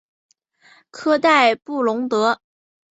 科代布龙德。